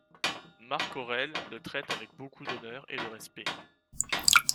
Marc Aurèle le traite avec beaucoup d'honneur et de respect.